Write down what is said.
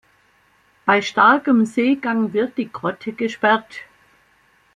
Bei starkem Seegang wird die Grotte gesperrt.